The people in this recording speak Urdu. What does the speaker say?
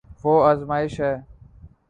وہ ازماش ہے